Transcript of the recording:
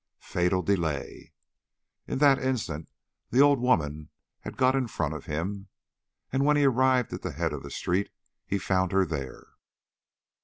Fatal delay. In that instant the old woman had got in front of him, and when he arrived at the head of the street he found her there.